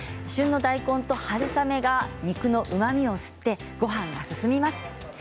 旬の大根と春雨が肉のうまみを吸ってごはんが進みます。